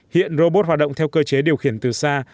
hiện robot hoạt động theo cơ chế điều khiển từ xa